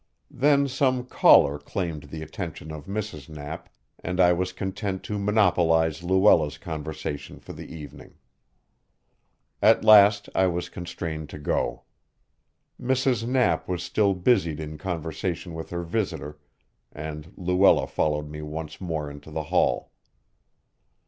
Then some caller claimed the attention of Mrs. Knapp, and I was content to monopolize Luella's conversation for the evening. At last I was constrained to go. Mrs. Knapp was still busied in conversation with her visitor, and Luella followed me once more into the hall.